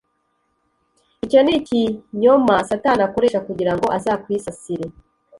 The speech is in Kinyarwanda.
icyo ni ikinyoma satani akoresha kugira ngo azakwisasire